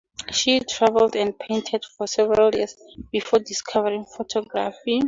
She traveled and painted for several years before discovering photography.